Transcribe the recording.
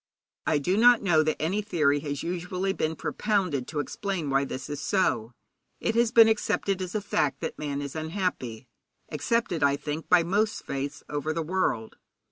'I do not know that any theory has usually been propounded to explain why this is so. It has been accepted as a fact that man is unhappy, accepted, I think, by most faiths over the world.